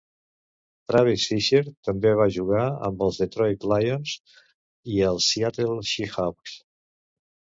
Travis Fisher també va jugar amb els Detroit Lions i els Seattle Seahawks.